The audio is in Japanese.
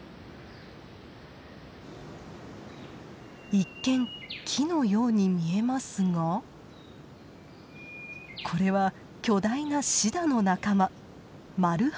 一見木のように見えますがこれは巨大なシダの仲間